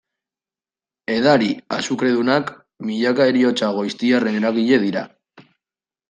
Edari azukredunak, milaka heriotza goiztiarren eragile dira.